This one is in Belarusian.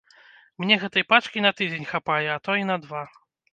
Мне гэткай пачкі на тыдзень хапае, а то і на два.